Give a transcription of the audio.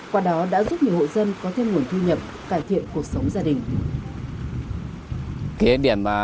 qua đó đã giúp nhiều hộ dân có thêm nguồn thu nhập cải thiện cuộc sống gia đình